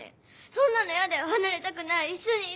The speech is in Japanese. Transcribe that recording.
そんなのヤダよ離れたくない一緒にいたい。